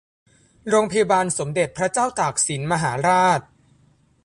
โรงพยาบาลสมเด็จพระเจ้าตากสินมหาราช